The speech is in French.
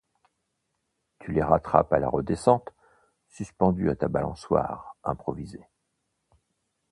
Tu les rattrapes à la redescente, suspendue à ta balançoire improvisée.